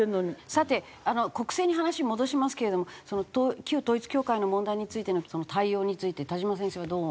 さて国政に話戻しますけれども旧統一教会の問題についての対応について田嶋先生はどう？